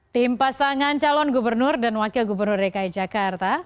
tim pasangan calon gubernur dan wakil gubernur dki jakarta